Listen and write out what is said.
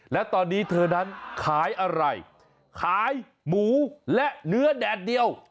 แล้วตอนนี้เธอนั้นขายอะไรขายหมูและเนื้อแดดเดียว